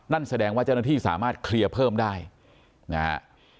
นั่นแสดงว่าเจ้าหน้าที่สามารถเคลียร์เพิ่มได้นะฮะ